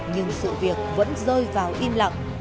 nhưng sự việc vẫn rơi vào im lặng